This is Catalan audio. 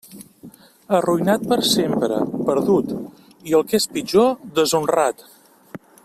Arruïnat per sempre, perdut, i el que és pitjor, deshonrat.